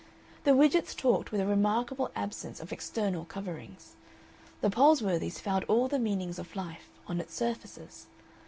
The Widgetts talked with a remarkable absence of external coverings; the Palsworthys found all the meanings of life on its surfaces.